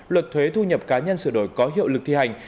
luật thuế thu nhập cá nhân sửa đổi có hiệu lực thi hành